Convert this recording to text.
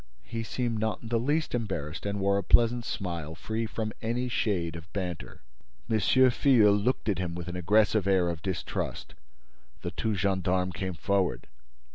He seemed not in the least embarrassed and wore a pleasant smile, free from any shade of banter. M. Filleul looked at him with an aggressive air of distrust. The two gendarmes came forward.